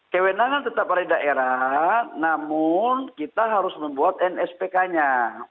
kewenangan tetap ada di daerah namun kita harus membuat nspk nya